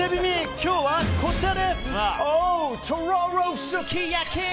今日は、こちらです。